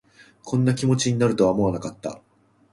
こんな気持ちになるとは思わなかった